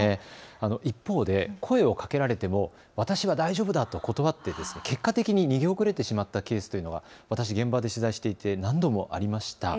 一方で声をかけられても私は大丈夫だと断って結果的に逃げ遅れてしまったケースというのは私、現場で取材していて何度もありました。